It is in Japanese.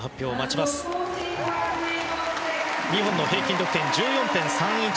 ２本の平均得点は１４．３１６。